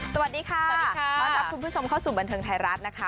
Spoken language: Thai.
สวัสดีค่ะสวัสดีค่ะต้อนรับคุณผู้ชมเข้าสู่บันเทิงไทยรัฐนะคะ